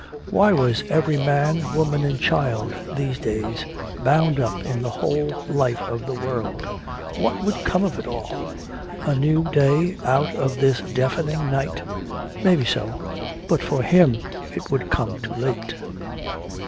Why was every man, woman and child, these days, bound up in the whole life of the world? What would come of it all? A new day out of this deafening night? Maybe so. But for him it would come too late.